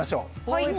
はい。